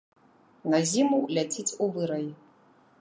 На зіму ляціць у вырай.